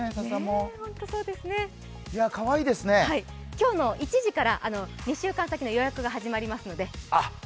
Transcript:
今日の１時から、２週間先の予約が始まりますので。